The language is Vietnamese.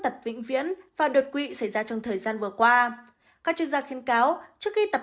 tật vĩnh viễn và đột quỵ xảy ra trong thời gian vừa qua các chuyên gia khuyên cáo trước khi tập